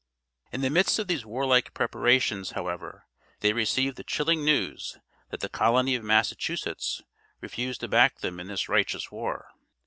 In the midst of these warlike preparations, however, they received the chilling news that the colony of Massachusetts refused to back them in this righteous war.